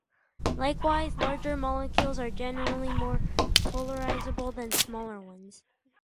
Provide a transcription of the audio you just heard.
Likewise, larger molecules are generally more polarizable than smaller ones.